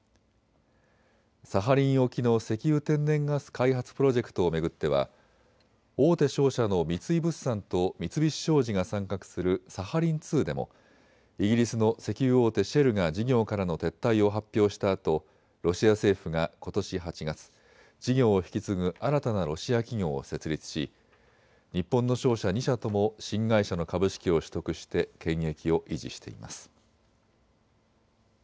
サハリン沖の石油・天然ガス開発プロジェクトを巡っては大手商社の三井物産と三菱商事が参画するサハリン２でもイギリスの石油大手、シェルが事業からの撤退を発表したあとロシア政府がことし８月、事業を引き継ぐ新たなロシア企業を設立し日本の商社２社とも新会社の株式を取得して権益を維持しています。